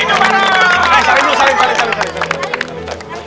eh saling dulu